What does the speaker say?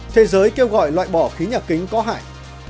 thế giới kêu gọi loại bỏ khí nhà kính có hại